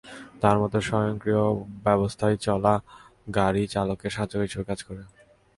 তাঁর মতে, স্বয়ংক্রিয় ব্যবস্থায় চলা গাড়ি চালকের সাহায্যকারী হিসেবে কাজ করে।